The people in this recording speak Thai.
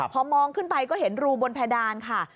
พอมองขึ้นไปก็เห็นรูบนเพดานค่ะ